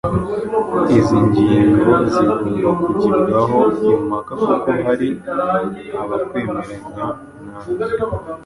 Izi ngingo zigomba kugibwaho impaka kuko hari abakwemeranya na zo,